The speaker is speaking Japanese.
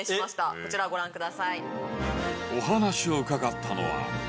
こちらをご覧ください。